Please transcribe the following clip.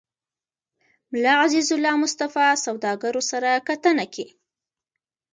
ملا عزيزالله مصطفى سوداګرو سره کتنه کې